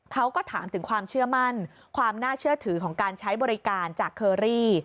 เขาก็ถามถึงความเชื่อมั่นความน่าเชื่อถือของการใช้บริการจากเคอรี่